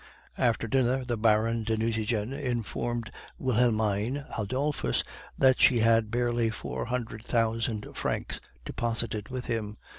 "After dinner the Baron de Nucingen informed Wilhelmine Adolphus that she had barely four hundred thousand francs deposited with him.